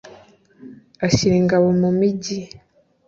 ashyira ingabo mu migi